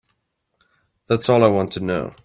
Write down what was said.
That's all I want to know.